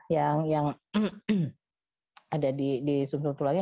yang ada di sumber tulangnya